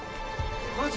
マジ？